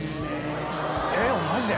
えっマジで？